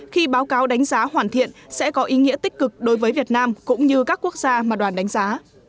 khi báo cáo đánh giá hoàn thiện sẽ có ý nghĩa tích cực đối với việt nam cũng như các quốc gia mà đoàn đánh giá